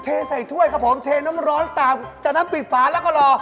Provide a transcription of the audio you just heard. เทใส่ถ้วยครับผมเทน้ำร้อนตามจากนั้นปิดฝาแล้วก็รอ